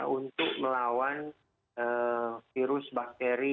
untuk melawan virus bakteria